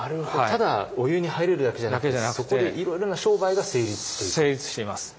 ただお湯に入れるだけじゃなくてそこでいろいろな商売が成立していた。